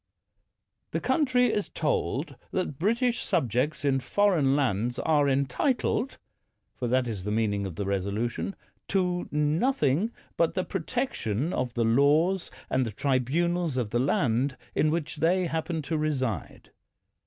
The country is told that British subjects in foreign lands are entitled — for that is the mean ing of the resolution — to nothing but the pro tection of the laws and the tribunals of the land in which they happen to reside.